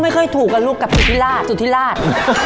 พ่อไม่เคยถูกกับลูกกับสุธิลาศ